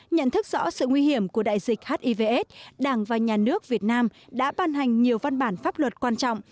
nhận thức rõ sự nguy hiểm của đại dịch hivs đảng và nhà nước việt nam đã ban hành nhiều văn bản pháp luật quan trọng